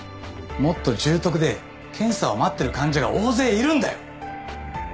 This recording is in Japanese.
もっと重篤で検査を待ってる患者が大勢いるんだよ。